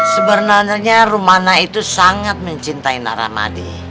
sebenarnya rumana itu sangat mencintai nara mahdi